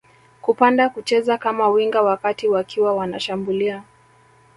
kupanda kucheza kama winga wakati wakiwa wanashambulia